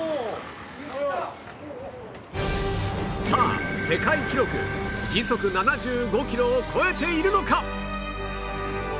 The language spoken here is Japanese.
さあ世界記録時速７５キロを超えているのか？